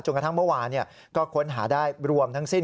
กระทั่งเมื่อวานก็ค้นหาได้รวมทั้งสิ้น